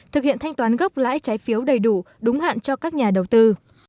thực hiện thanh toán gốc lãi trái phiếu đầy đủ đúng hạn cho các nhà đầu tư